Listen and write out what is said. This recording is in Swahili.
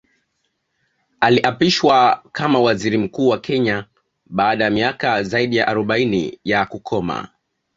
Aliapishwa kama Waziri Mkuu wa Kenya baada ya miaka zaidi ya arobaini ya kukoma